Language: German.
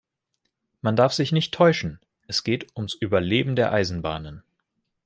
Man darf sich nicht täuschen: Es geht ums Überleben der Eisenbahnen.